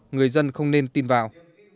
người dân không nên tin vào